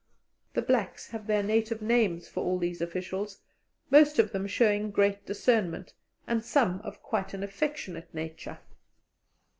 The blacks have their native names for all these officials, most of them showing great discernment, and some of quite an affectionate nature.